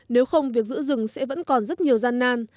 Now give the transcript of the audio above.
nếu không việc giữ rừng sẽ vẫn còn rất nhiều gian nan